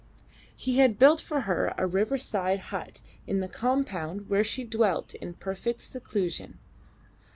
He had built for her a riverside hut in the compound where she dwelt in perfect seclusion.